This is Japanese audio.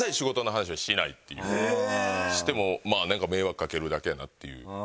してもまぁ何か迷惑掛けるだけやなっていう。